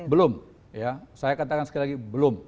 belum ya saya katakan sekali lagi belum